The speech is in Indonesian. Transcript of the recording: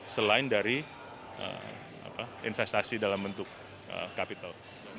selain dari investasi dalam bentuk capital